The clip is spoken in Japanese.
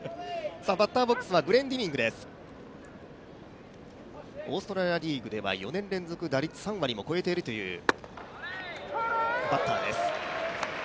グレンディニング、オーストラリアリーグでは４年連続打率３割も超えているというバッターです。